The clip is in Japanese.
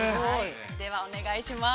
では、お願いします。